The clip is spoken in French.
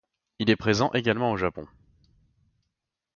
Il est présent également au Japon.